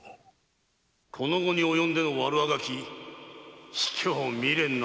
・この期に及んでの悪あがき卑怯未練な者ども。